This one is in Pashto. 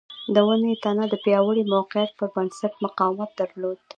د ونې تنه د پیاوړي موقعیت پر بنسټ مقاومت درلود.